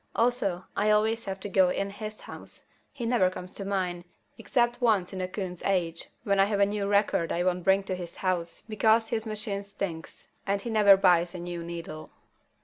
Also, I always have to go to his house. He never comes to mine, except once in a coon's age when I have a new record I won't bring to his house because his machine stinks and he never buys a new needle.